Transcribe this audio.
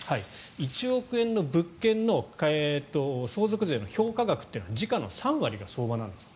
１億円の物件の相続税の評価額は時価の３割が相場なんです。